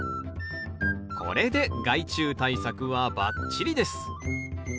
これで害虫対策はバッチリです！